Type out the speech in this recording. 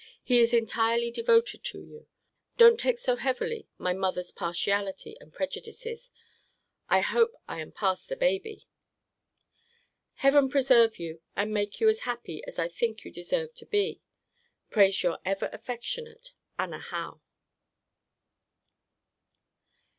He is entirely devoted to you. Don't take so heavily my mother's partiality and prejudices. I hope I am past a baby. Heaven preserve you, and make you as happy as I think you deserve to be, prays Your ever affectionate ANNA HOWE.